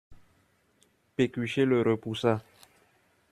Pécuchet le repoussa.